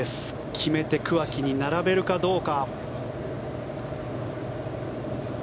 決めて、桑木に並べるかどうか。